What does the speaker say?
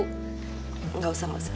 gak usah gak usah